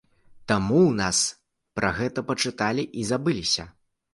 Таму ў нас пра гэта пачыталі і забыліся.